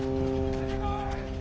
出てこい！